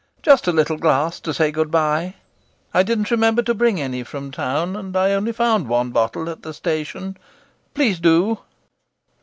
Just a little glass to say good bye. I didn't remember to bring any from town and I only found one bottle at the station. Please, do!